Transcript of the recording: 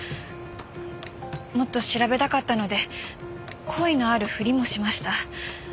もっと調べたかったので好意のあるふりもしました。